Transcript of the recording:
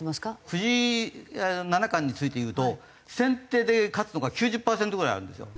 藤井七冠について言うと先手で勝つのが９０パーセントぐらいあるんですよ。